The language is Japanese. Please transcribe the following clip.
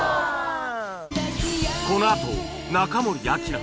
このあと中森明菜